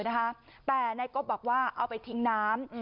แต่นายกบบอกว่าเอาไปทิ้งน้ำ